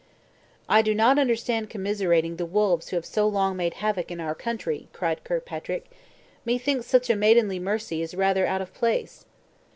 "I do not understand commiserating the wolves who have so long made havoc in our country," cried Kirkpatrick; "methinks such maidenly mercy is rather or of place."